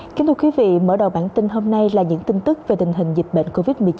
kính thưa quý vị mở đầu bản tin hôm nay là những tin tức về tình hình dịch bệnh covid một mươi chín